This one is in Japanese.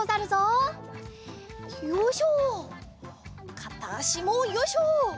かたあしもよいしょ。